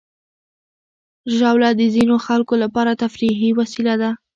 ژاوله د ځینو خلکو لپاره تفریحي وسیله ده.